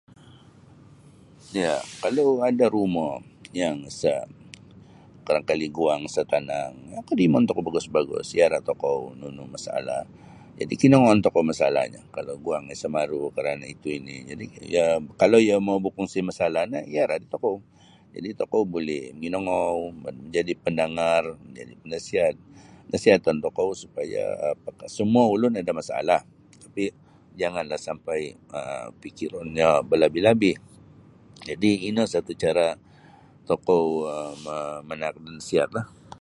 Ya kalau ada rumo yang sa' barangkali guang sa' tanang um kodimon tokou bagus-bagus iyara' tokou nunu masalah jadi' kinongouon tokou masalahnyo kalau guangnyo isa maru' karana itu ini jadi' iyo kalau iyo mau bakongsi masalah iyara' da tokou jadi tokou buli manginongou jadi' pendengar jadi' panasihat nasiatun tokou supaya samua ulun ada masalah tapi' janganlah sampai um pikironnyo balabih-labih jadi' ino satu cara tokou ma manaak da nasihatlah.